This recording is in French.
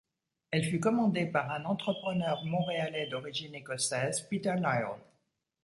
Elle fut commandée par un entrepreneur montréalais d’origine écossaise, Peter Lyall.